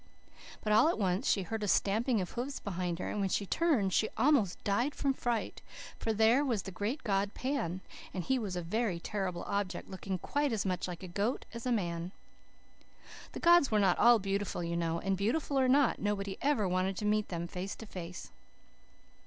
"But all at once she heard a stamping of hoofs behind her, and when she turned she almost died from fright. For there was the great god, Pan, and he was a very terrible object, looking quite as much like a goat as a man. The gods were not all beautiful, you know. And, beautiful or not, nobody ever wanted to meet them face to face.